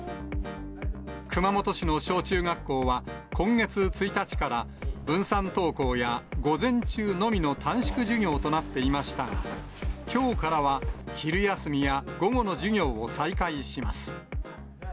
熊本市の小中学校は、今月１日から、分散登校や午前中のみの短縮授業となっていましたが、きょうからは昼休みや午後の授業を再開します。